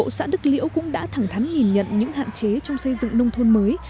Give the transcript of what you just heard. xã đức liễu cũng đã thẳng thắn nhìn nhận những hạn chế trong xây dựng nông thôn mới